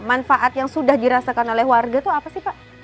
manfaat yang sudah dirasakan oleh warga itu apa sih pak